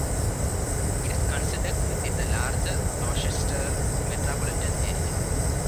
It is considered within the larger Rochester metropolitan area.